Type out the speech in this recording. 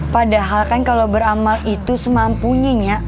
padahal kan kalo beramal itu semampunya nya